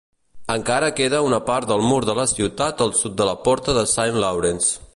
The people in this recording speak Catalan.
Encara queda una part del mur de la ciutat al sud de la Porta de Saint Laurence.